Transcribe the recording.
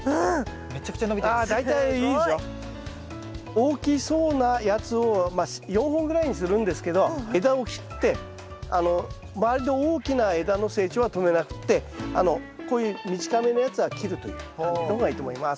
大きそうなやつをまあ４本ぐらいにするんですけど枝を切って周りの大きな枝の成長は止めなくってこういう短めのやつは切るという感じの方がいいと思います。